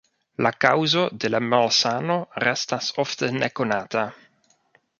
La kaŭzo de la malsano restas ofte nekonata.